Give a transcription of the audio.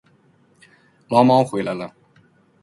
牢猫回来了